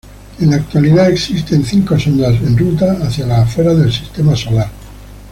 En la actualidad existen cinco sondas en ruta hacia las afueras del sistema solar.